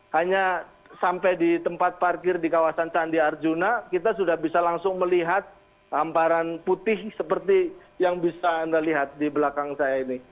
hanya sampai di tempat parkir di kawasan candi arjuna kita sudah bisa langsung melihat hamparan putih seperti yang bisa anda lihat di belakang saya ini